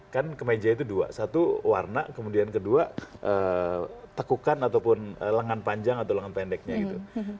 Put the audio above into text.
kan kemeja itu dua satu warna kemudian kedua tekukan ataupun lengan panjang atau lengan pendeknya gitu